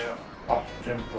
あっ。